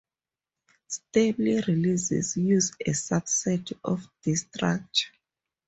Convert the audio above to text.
Stable releases use a subset of this structure.